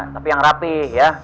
tapi yang rapi ya